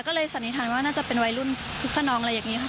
ก็เลยสันนิษฐานว่าน่าจะเป็นวัยรุ่นคึกขนองอะไรอย่างนี้ค่ะ